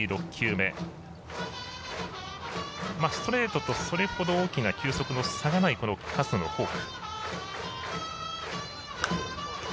ストレートとそれほど大きな球速の差はない勝野のフォーク。